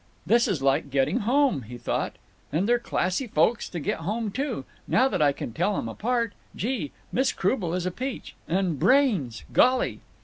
"This is like getting home," he thought. "And they're classy folks to get home to—now that I can tell 'em apart. Gee! Miss Croubel is a peach. And brains—golly!"